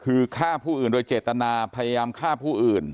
คือฆ่าผู้อื่นโดยเจตนาพยายามฆ่าผู้อื่น